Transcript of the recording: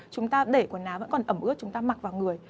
chúng ta đẩy quần áo vẫn còn ẩm ướt chúng ta mặc vào người